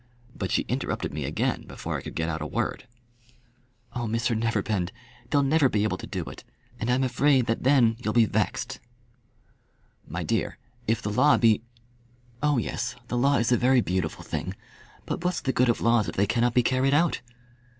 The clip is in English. But she interrupted me again before I could get out a word. "Oh, Mr Neverbend, they'll never be able to do it, and I'm afraid that then you'll be vexed." "My dear, if the law be " "Oh yes, the law is a very beautiful thing; but what's the good of laws if they cannot be carried out?